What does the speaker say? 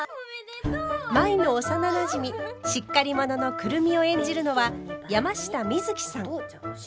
舞の幼なじみしっかり者の久留美を演じるのは山下美月さん。